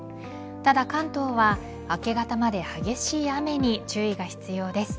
ただ関東は明け方まで激しい雨に注意が必要です。